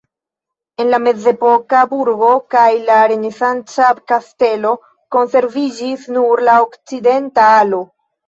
De la mezepoka burgo kaj la renesanca kastelo konserviĝis nur la okcidenta alo.